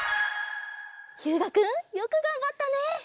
ひゅうがくんよくがんばったね。